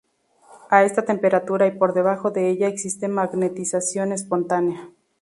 A esta temperatura y por debajo de ella existe magnetización espontánea.